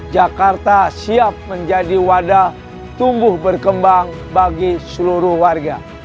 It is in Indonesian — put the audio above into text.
jakarta siap menjadi wadah tumbuh berkembang bagi seluruh warga